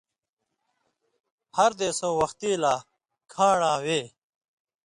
ہر دیسؤں وختی لا کھاݩراں وے